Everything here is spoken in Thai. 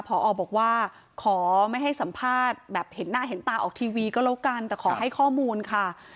พอบอกว่าขอไม่ให้สัมภาษณ์แบบเห็นหน้าเห็นตาออกทีวีก็แล้วกันแต่ขอให้ข้อมูลค่ะ